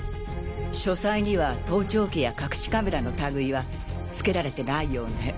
書斎には盗聴器や隠しカメラの類はつけられてないようね。